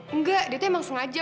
enggak dia tuh emang sengaja